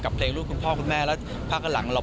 เพราะว่ามีศิลปินดังมาร่วมร้องเพลงรักกับหนูโตหลายคนเลยค่ะ